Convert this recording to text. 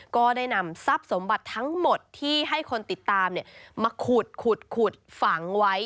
ก็ได้นำทรัพย์สมบัติทั้งหมดที่ให้คนติดตามมาขุดฝังไว้